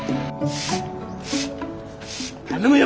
頼むよ